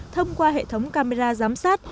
thông qua hệ thống camera giám sát